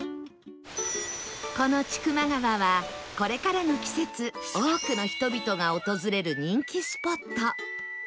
この千曲川はこれからの季節多くの人々が訪れる人気スポット